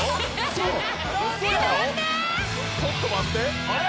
ちょっと待ってあれ？